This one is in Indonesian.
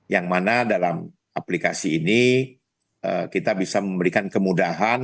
yang mana dalam aplikasi ini kita bisa memberikan kemudahan